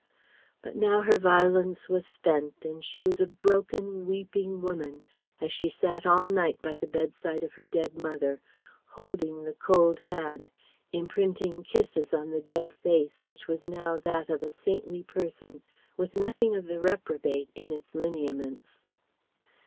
But now her violence was spent and she was a broken, weeping woman as she sat all night by the bedside of her dead mother, holding the cold hand, imprinting kisses on the dead face which was now that of a saintly person with nothing of the reprobate in its lineaments.